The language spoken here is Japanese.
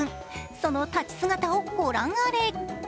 その立ち姿をご覧あれ。